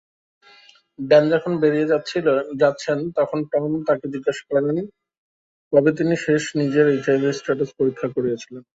Dan যখন বেরিয়ে যাচ্ছেন, তখন টম তাকে জিজ্ঞাসা করেন, কবে তিনি শেষ নিজের এইচআইভি স্ট্যাটাস পরীক্ষা করিয়েছিলেন।